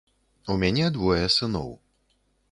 У мяне двое сыноў.